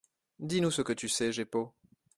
—dis-nous ce que tu sais, Jeppo.